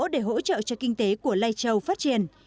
để hỗ trợ cho kinh tế của lai châu phát triển